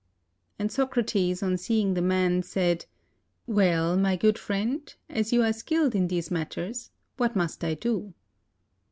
And Socrates, on seeing the man, said, "Well, my good friend, as you are skilled in these matters, what must I do?